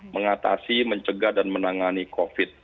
mengatasi mencegah dan menangani covid